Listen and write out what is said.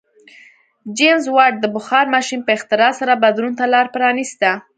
جېمز واټ د بخار ماشین په اختراع سره بدلون ته لار پرانیسته.